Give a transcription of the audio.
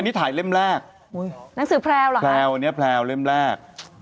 นี่ถ่ายเล่มแรกหนังสือแพรวเหรอแพลวอันนี้แพลวเล่มแรก